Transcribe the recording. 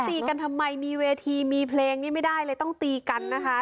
ตีกันทำไมมีเวทีมีเพลงนี้ไม่ได้เลยต้องตีกันนะคะ